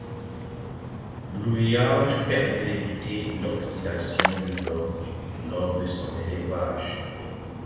L'ouillage permet d'éviter l'oxydation du vin lors de son élevage.